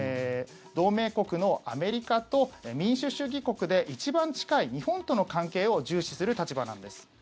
同盟国のアメリカと民主主義国で一番近い日本との関係を重視する立場なんです。